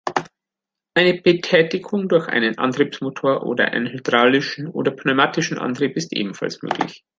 Eine Betätigung durch einen Antriebsmotor oder einen hydraulischen oder pneumatischen Antrieb ist ebenfalls möglich.